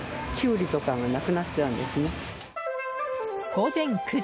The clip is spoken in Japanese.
午前９時。